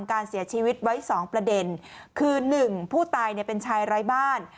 การเสียชีวิตไว้๒ประเด็นคือ๑ผู้ตายเป็นชายไร้บ้าน